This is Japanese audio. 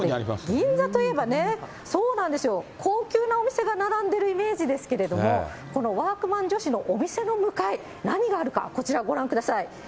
銀座といえばね、そうなんですよ、高級なお店が並んでるイメージですけれども、このワークマン女子のお店の向かい、何があるか、こちらご覧ください。